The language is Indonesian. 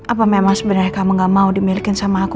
apa memang sebenarnya kamu gak mau dimiliki sama aku